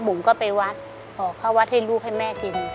ผมก็ไปวัดออกข้าววัดให้ลูกให้แม่กิน